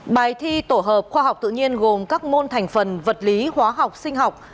bài thi tổ hợp khoa học tự nhiên gồm các môn thành phần vật lý hóa học sinh học